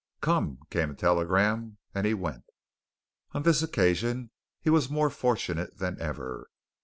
"Come!" came a telegram, and he went. On this occasion, he was more fortunate than ever.